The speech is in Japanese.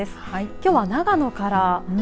きょうは長野から。